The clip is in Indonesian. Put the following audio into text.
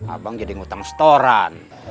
abang jadi ngutang setoran